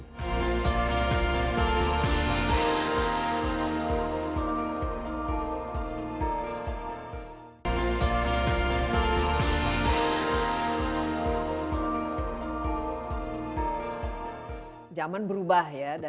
dan dimanaahu bagusnya kita